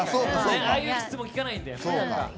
ああいう質問、聞かないんで。